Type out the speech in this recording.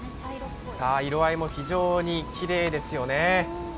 色合いも非常にきれいですよね。